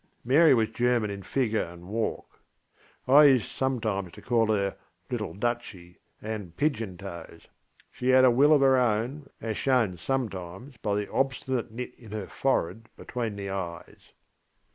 Mary was German in figure and walk. I used sometimes to call her ŌĆśLittle DuchyŌĆÖ and ŌĆśPigeon ToesŌĆÖ. She had a will of her own, as shown sometimes by the obstinate knit in her forehead between the eyes.